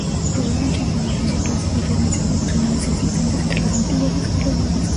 Provee mucha información sobre las diferencias doctrinales existentes entre las antiguas escuelas budistas.